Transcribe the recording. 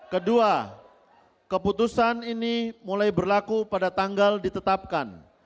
kedua keputusan ini mulai berlaku pada tanggal ditetapkan